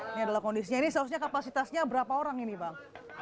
ini adalah kondisinya ini seharusnya kapasitasnya berapa orang ini bang